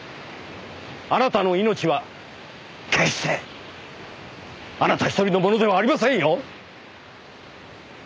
あなたの命は決してあなた一人のものではありませんよ！